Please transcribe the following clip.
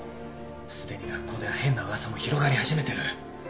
すでに学校では変な噂も広がり始めてる。